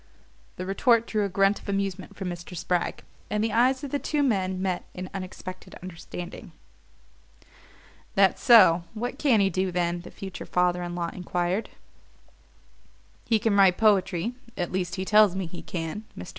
The retort drew a grunt of amusement from Mr. Spragg; and the eyes of the two men met in unexpected understanding. "That so? What can he do, then?" the future father in law enquired. "He can write poetry at least he tells me he can." Mr.